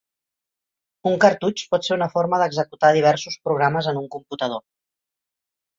Un cartutx pot ser una forma d'executar diversos programes en un computador.